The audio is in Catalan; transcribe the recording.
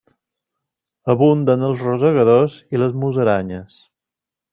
Abunden els rosegadors i les musaranyes.